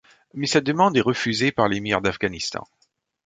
Mais sa demande est refusée par l’émir d’Afghanistan.